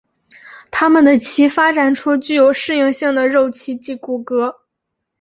它们的鳍发展出具适应性的肉鳍及骨骼。